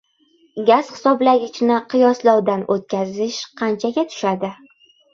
Gaz hisoblagichni qiyoslovdan o‘tkazish qanchaga tushadi?